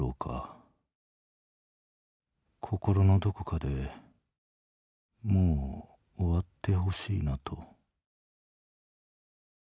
心のどこかでもう終わってほしいなと」。